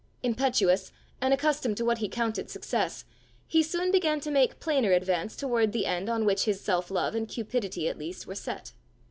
Impetuous, and accustomed to what he counted success, he soon began to make plainer advance toward the end on which his self love and cupidity at least were set.